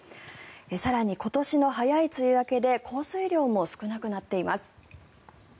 更に、今年の早い梅雨明けで降水量も少なくなっています。